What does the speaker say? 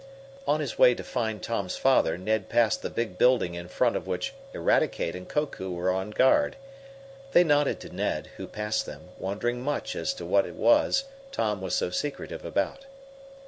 On his way to find Tom's father Ned passed the big building in front of which Eradicate and Koku were on guard. They nodded to Ned, who passed them, wondering much as to what it was Tom was so secretive about.